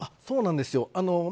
そうなんですよ。